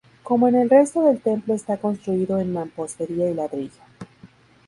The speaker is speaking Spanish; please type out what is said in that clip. Como en el resto del templo está construido en mampostería y ladrillo.